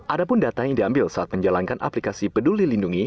adapun data yang diambil saat menjalankan aplikasi peduli lindungi